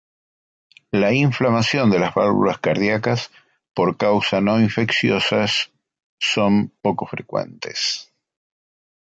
La inflamación de las válvulas cardíacas por causas no infecciosas son poco frecuentes.